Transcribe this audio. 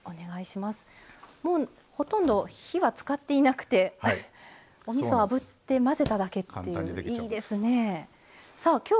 もうほとんど火は使っていなくておみそをあぶって混ぜただけっていう。